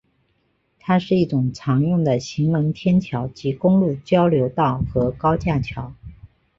它是一种常用的行人天桥及公路交流道和高架桥。